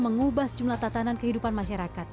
mengubah sejumlah tatanan kehidupan masyarakat